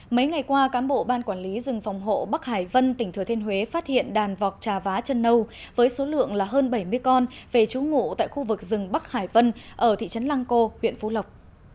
mấy ngày qua cán bộ ban quản lý rừng phòng hộ bắc hải vân tỉnh thừa thiên huế phát hiện đàn vọc trà vá chân nâu với số lượng hơn bảy mươi con về trú ngụ tại khu vực rừng bắc hải vân ở thị trấn lăng cô huyện phú lộc